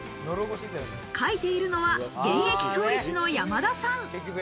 描いているのは現役調理師の山田さん。